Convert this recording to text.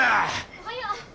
おはよう。